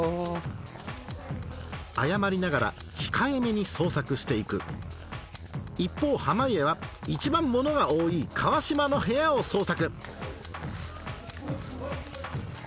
謝りながら控えめに捜索していく一方濱家は一番物が多い川島の部屋を捜索